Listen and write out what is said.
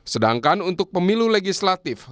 sedangkan untuk pemilu legislatif